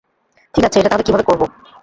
ঠিক আছে, এটা তাহলে কিভাবে করব?